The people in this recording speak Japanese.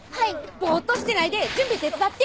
ボーッとしてないで準備手伝って。